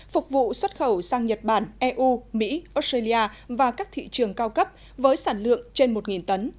phục vụ xuất khẩu sang nhật bản eu mỹ australia và các thị trường cao cấp với sản lượng trên một tấn